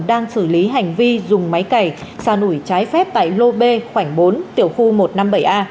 đang xử lý hành vi dùng máy cày san ủi trái phép tại lô b khoảng bốn tiểu khu một trăm năm mươi bảy a